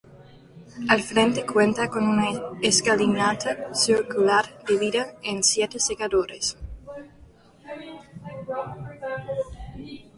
Al frente cuenta con una escalinata circular dividida en siete sectores.